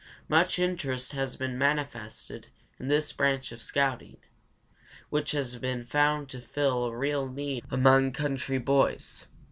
Much interest has been manifested in this branch of scouting, which has been found to fill a real need among country boys.